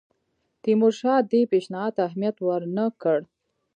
تیمورشاه دې پېشنهاد ته اهمیت ورنه کړ.